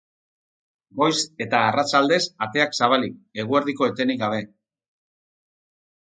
Goiz eta arratsaldez ateak zabalik, eguerdiko etenik gabe.